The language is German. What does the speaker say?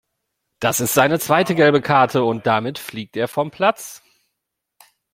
Das ist seine zweite gelbe Karte und damit fliegt er vom Platz.